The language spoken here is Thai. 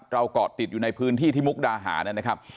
เกาะติดอยู่ในพื้นที่ที่มุกดาหารนะครับ